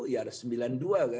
ya ada rp sembilan puluh dua kan